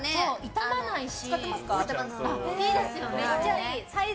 傷まないし。